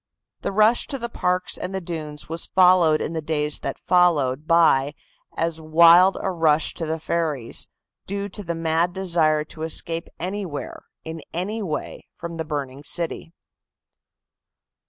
The rush to the parks and the dunes was followed in the days that followed by as wild a rush to the ferries, due to the mad desire to escape anywhere, in any way, from the burning city.